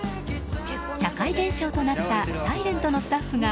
社会現象となった「ｓｉｌｅｎｔ」のスタッフが